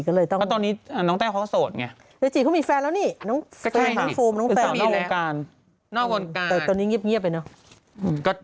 แต่ตอนนี้เงียบน้อยเนอะ